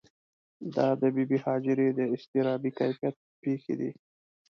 دا د بې بي هاجرې د اضطرابي کیفیت پېښې دي.